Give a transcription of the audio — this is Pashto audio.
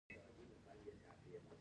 ملکه نورجهان په چارو کې ډیر واک درلود.